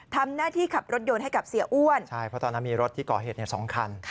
ทำหน้าที่ขับรถยนต์ให้กับเสียอ้วนใช่เพราะตอนนั้นมีรถที่ก่อเหตุสองคัน